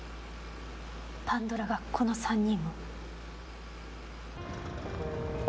パンドラがこの３人を。